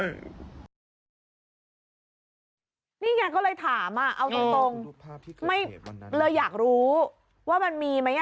นี่ยังก็เลยถามเอาตรงอยากรู้ว่ามีมั้ย